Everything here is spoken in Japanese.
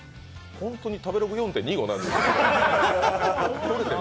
本当に食べログ４．２５なんですか。